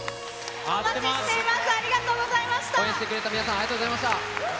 お待ちしています。